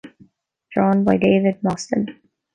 Drawn by David Mostyn.